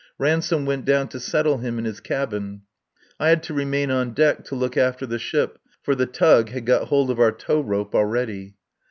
Ransome went down to settle him in his cabin. I had to remain on deck to look after the ship, for the tug had got hold of our towrope already.